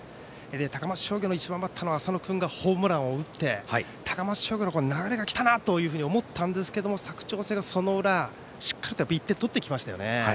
高松商業の１番バッターの浅野君がホームランを打って高松商業に流れが来たなと思ったんですけれども佐久長聖がその裏、しっかりと１点取ってきましたよね。